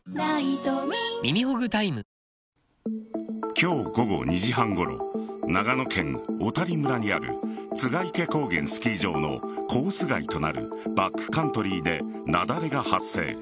今日午後２時半ごろ長野県小谷村にある栂池高原スキー場のコース外となるバックカントリーで雪崩が発生。